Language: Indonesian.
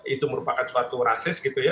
itu merupakan suatu rasis gitu ya